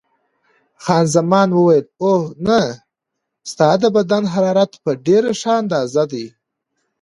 خان زمان وویل: اوه، نه، ستا د بدن حرارت په ډېره ښه اندازه دی.